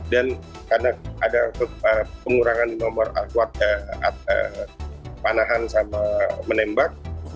dan karena ada pengurangan nomor panahan sama menembak